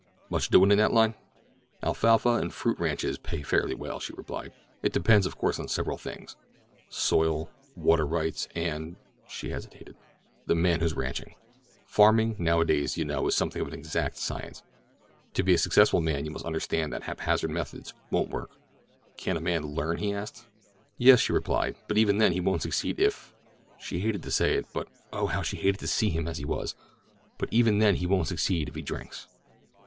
Much doing in that line?" "Alfalfa and fruit ranches pay fairly well," she replied. "It depends, of course, on several things—soil, water rights and—" she hesitated—"the man who's ranching. Farming nowadays, you know, is something of an exact science. To be successful a man must understand that haphazard methods won't work." "Can't a man learn?" he asked. "Yes," she replied; "but even then he won't succeed if—" she hated to say it, but oh, how she hated to see him as he was—"but even then he won't succeed if he drinks."